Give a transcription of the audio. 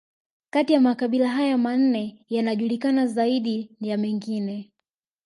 Kati ya makabila haya manne yanajulikana zaidi ya mengine